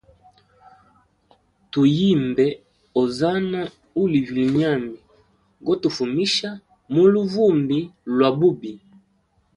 Tu yimbe Ozana uli vilyenyambi gotufumisha muluvumbi lwa bubi.